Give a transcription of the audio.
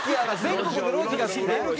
全国の路地が好きなん？